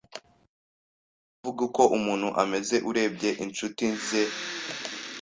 Urashobora kuvuga uko umuntu ameze urebye inshuti ze.